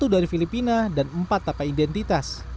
satu dari filipina dan empat tapa identitas